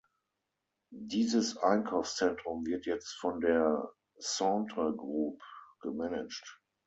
Dieses Einkaufszentrum wird jetzt von der Scentre Group gemanagt.